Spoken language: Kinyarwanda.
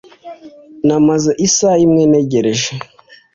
Namaze isaha imwe ntegereje